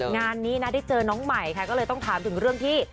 งานนี้นะได้เจอน้องใหม่ค่ะก็เลยต้องถามถึงเรื่องที่